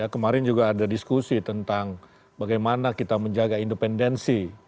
kemarin juga ada diskusi tentang bagaimana kita menjaga independensi